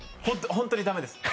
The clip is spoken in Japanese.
本当に駄目です。